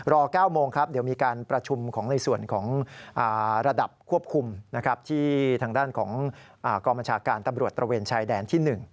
๙โมงครับเดี๋ยวมีการประชุมของในส่วนของระดับควบคุมที่ทางด้านของกองบัญชาการตำรวจตระเวนชายแดนที่๑